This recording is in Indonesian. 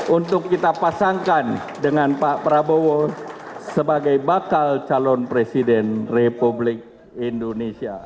untuk kita pasangkan dengan pak prabowo sebagai bakal calon presiden republik indonesia